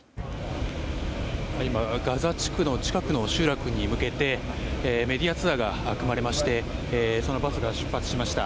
今、ガザ地区の近くの集落に向けてメディアツアーが組まれましてそのバスが出発しました。